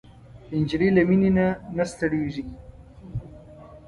نجلۍ له مینې نه نه ستړېږي.